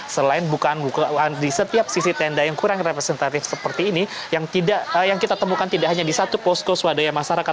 selain bukaan buka di setiap sisi tenda yang kurang representatif seperti ini yang kita temukan tidak hanya di satu posko swadaya masyarakat